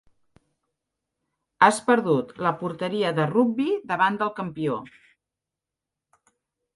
Has perdut la porteria de rugbi davant del campió.